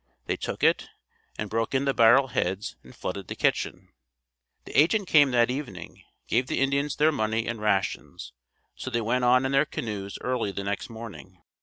They took it and broke in the barrel heads and flooded the kitchen. The agent came that evening, gave the Indians their money and rations, so they went on in their canoes early the next morning.